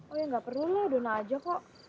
oh ya gak perlu dona aja kok